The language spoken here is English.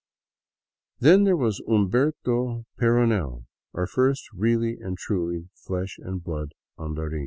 Then there was Umberto Peyrounel, our first really and truly, flesh and blood " andarin."